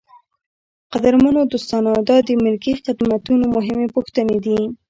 قدرمنو دوستانو دا د ملکي خدمتونو مهمې پوښتنې دي.